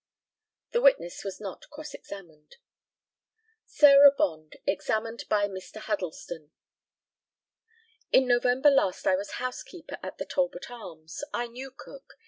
The witness was not cross examined. SARAH BOND, examined by Mr. HUDDLESTON: In November last I was housekeeper at the Talbot Arms. I knew Cook.